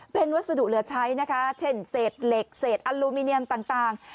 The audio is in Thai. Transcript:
เป็นวัสดุเหลือใช้นะคะเช่นเศษเหล็กเศษอลูมิเนียมต่าง